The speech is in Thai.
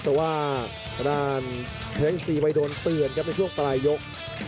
แต่ว่าทางสี่ไปโดนเตือนครับในช่วงปลายยก